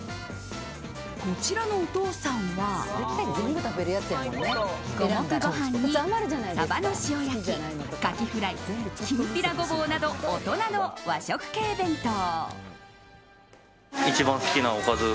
こちらのお父さんは五目ご飯にサバの塩焼きカキフライ、きんぴらゴボウなど大人の和食系弁当。